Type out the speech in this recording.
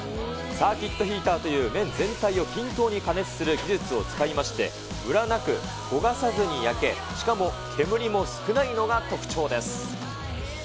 サーキットヒーターという面全体を均等に加熱する技術を使いまして、むらなく焦がさずに焼け、しかも煙も少ないのが特徴です。